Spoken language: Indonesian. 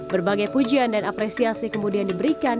berbagai pujian dan apresiasi kemudian diberikan